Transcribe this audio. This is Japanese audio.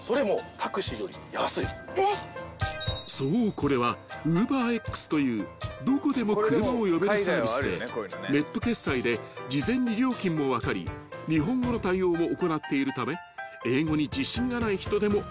これはＵｂｅｒＸというどこでも車を呼べるサービスでネット決済で事前に料金も分かり日本語の対応も行っているため英語に自信がない人でも安心］